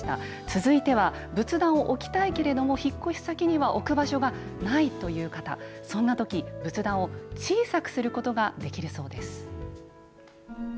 続いては、仏壇を置きたいけれども、引っ越し先には置く場所がないという方、そんなとき、仏壇を小さくすることができるそうです。